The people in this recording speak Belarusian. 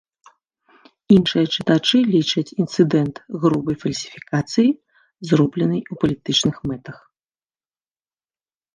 Іншыя чытачы лічаць інцыдэнт грубай фальсіфікацыяй, зробленай у палітычных мэтах.